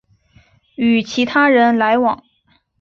与其他人来往